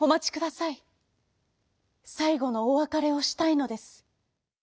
さいごのおわかれをしたいのです」。